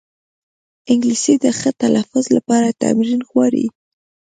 انګلیسي د ښه تلفظ لپاره تمرین غواړي